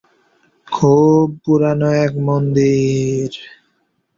খুব পুরানো এক মন্দির।